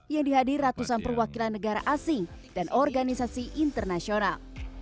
yang dihadir ratusan perwakilan negara asing dan organisasi internasional